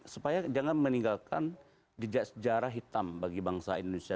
supaya jangan meninggalkan sejarah hitam bagi bangsa indonesia